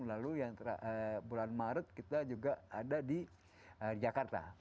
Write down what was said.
lalu yang bulan maret kita juga ada di jakarta